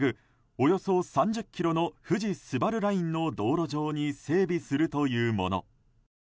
およそ３０ｋｍの富士スバルラインの道路上に整備するというもの。